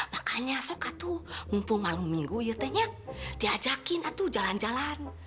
makanya sok atuh mumpung malam minggu yutanya diajakin atuh jalan jalan